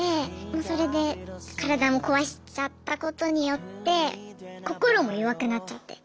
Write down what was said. それで体も壊しちゃったことによって心も弱くなっちゃって。